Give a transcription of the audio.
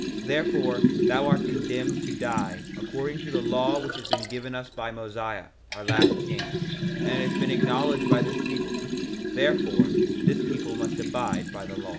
1:14 Therefore thou art condemned to die, according to the law which has been given us by Mosiah, our last king; and it has been acknowledged by this people; therefore this people must abide by the law.